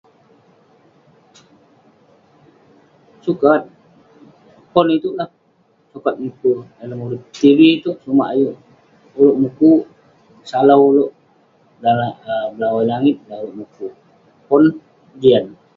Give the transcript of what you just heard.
sukat, pon itouk lah sukat mipe dalem urip ,tv itouk sumak ayuk ulouk mukuk, salau ulouk, dalem langit dan ulouk mukuk, pon jian..